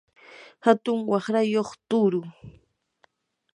atun waqrayuq tuuru.